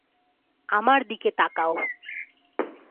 আমার দিকে তাকাও।